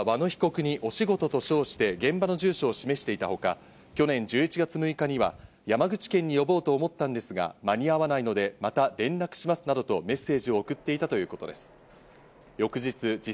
ＫＩＭは和野被告にお仕事と称して現場の住所を示していたほか、去年１１月６日には山口県に呼ぼうと思ったんですが、間に合わないので、また連絡しますなどとメッセージを送っていたということです。